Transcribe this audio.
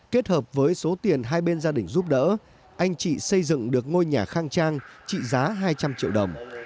kết hợp với số tiền hai bên gia đình giúp đỡ anh chị xây dựng được ngôi nhà khang trang trị giá hai trăm linh triệu đồng